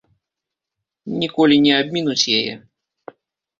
Ніколі не абмінуць яе.